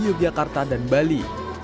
yogyakarta dan bali